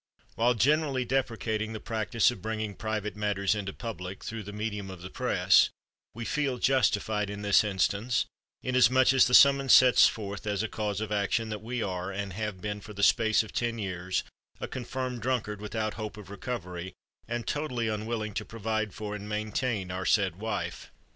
While generally deprecating the practice of bringing private matters into public through the medium of the press, we feel justified in this instance, inasmuch as the summons sets forth, as a cause of action, that we are, and have been, for the space of ten years, a confirmed drunkard without hope of recovery, and totally unwilling to provide for and maintain our said wife.